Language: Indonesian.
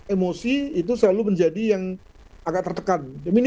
emosi itu selalu menjadi yang agak tertekan